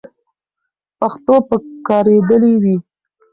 پښتو به کارېدلې وي.